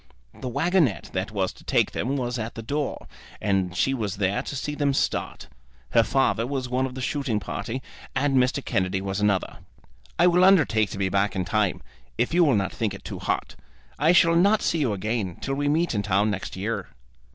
The waggonet that was to take them was at the door, and she was there to see them start. Her father was one of the shooting party, and Mr. Kennedy was another. "I will undertake to be back in time, if you will not think it too hot. I shall not see you again till we meet in town next year."